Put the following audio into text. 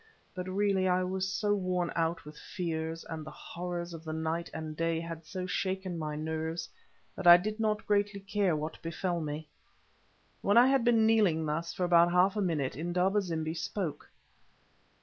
But really I was so worn out with fears, and the horrors of the night and day had so shaken my nerves, that I did not greatly care what befell me. When I had been kneeling thus for about half a minute Indaba zimbi spoke.